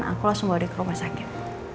aku langsung bawa dia ke rumah sakit